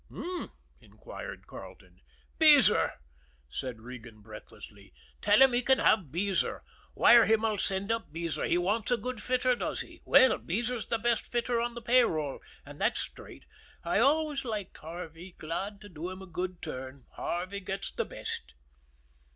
"H'm?" inquired Carleton. "Beezer," said Regan breathlessly. "Tell him he can have Beezer wire him I'll send up Beezer. He wants a good fitter, does he? Well, Beezer's the best fitter on the pay roll, and that's straight. I always liked Harvey glad to do him a good turn Harvey gets the best."